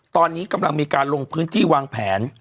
ตอนนี้กำลังมีการลงพื้นที่วางแผน